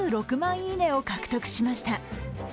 いいねを獲得しました。